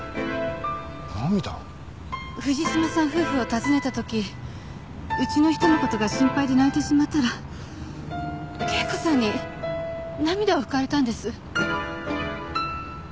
藤島さん夫婦を訪ねた時うちの人の事が心配で泣いてしまったら圭子さんに涙を拭かれたんです。